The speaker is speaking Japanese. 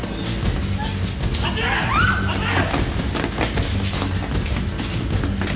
走れ！走れ！